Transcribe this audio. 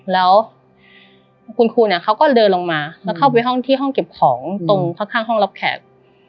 แล้วคุณครูเขาก็เดินลงมาเข้าไปที่ห้องเก็บของตรงข้างห้องรับแขก